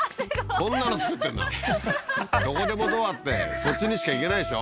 こんなの造ってんだどこでもドアってそっちにしか行けないでしょ